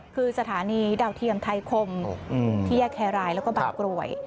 คือสถานีดาวเทียมไทยคมที่แยกแครรายแล้วก็บางกรวย